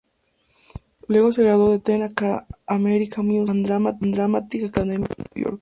Luego se graduó en The American Musical and Dramatic Academy de Nueva York.